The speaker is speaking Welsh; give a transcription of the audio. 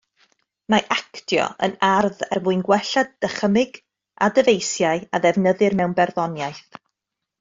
Mae actio yn arf er mwyn gwella dychymyg a dyfeisiau a ddefnyddir mewn barddoniaeth.